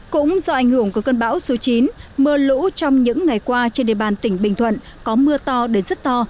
cũng do ảnh hưởng của cơn bão số chín mưa lũ trong những ngày qua trên địa bàn tỉnh bình thuận có mưa to đến rất to